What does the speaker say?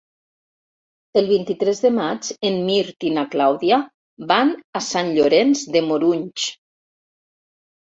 El vint-i-tres de maig en Mirt i na Clàudia van a Sant Llorenç de Morunys.